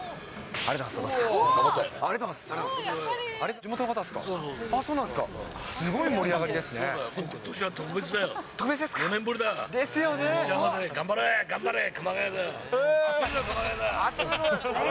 ありがとうございます。